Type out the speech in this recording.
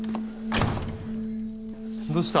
どうした？